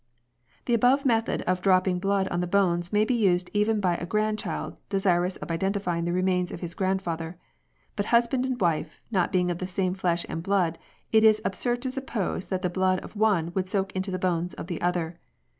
" The above method of dropping blood on the bones may be used even by a grandchild, desirous of identifying the remains of his grandfather ; but husband and wife, not being of the same flesh and blood, it is absurd to suppose that the blood of one would soak into the bones of the other.